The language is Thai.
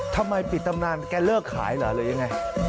ทำไมปิดตำนานแกเลิกขายเหรอหรือยังไง